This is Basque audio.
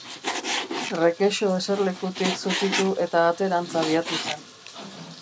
Rekexo eserlekutik zutitu eta aterantz abiatu zen.